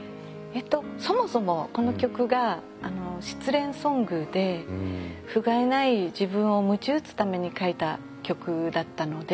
そもそもこの曲が失恋ソングでふがいない自分をむち打つために書いた曲だったので。